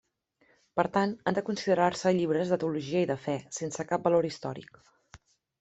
Per tant, han de considerar-se llibres de teologia i de fe, sense cap valor històric.